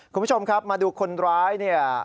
คุณผู้ชมครับมาดูคนร้ายเนี่ย